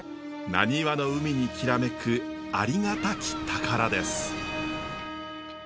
なにわの海にきらめくありがたき宝です。